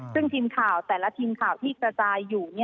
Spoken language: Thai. ซึ่งทีมข่าวแต่ละทีมข่าวที่กระจายอยู่